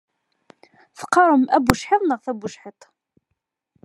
Teqqarem abucḥiḍ neɣ tabucḥiḍt?